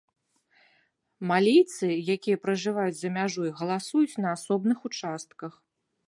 Малійцы, якія пражываюць за мяжой галасуюць на асобных участках.